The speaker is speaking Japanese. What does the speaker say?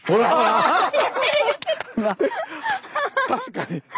確かに。